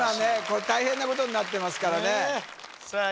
これ大変なことになってますからねさあ